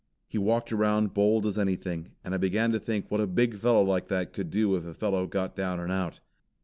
He walked around bold as anything, and I began to think what a big fellow like that could do if a fellow got down and out.